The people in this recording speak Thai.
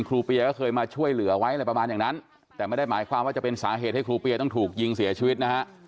เปียก็เคยมาช่วยเหลือไว้อะไรประมาณอย่างนั้นแต่ไม่ได้หมายความว่าจะเป็นสาเหตุให้ครูเปียต้องถูกยิงเสียชีวิตนะฮะ